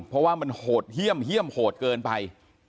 เพราะว่ามันเหงียมเหยียมเกินไป